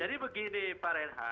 jadi begini pak renha